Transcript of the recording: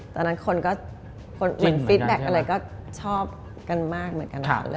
ตอนนั้นคนก็เหมือนฟิตแบ็คอะไรก็ชอบกันมากเหมือนกัน